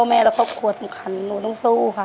แม่และครอบครัวสำคัญหนูต้องสู้ค่ะ